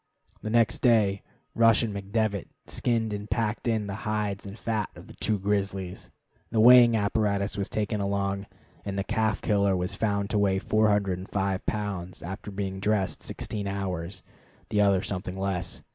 The next day Rush and McDevitt skinned and packed in the hides and fat of the two grizzlies. The weighing apparatus was taken along, and the "calf killer" was found to weigh 405 pounds after being dressed sixteen hours, the other something less.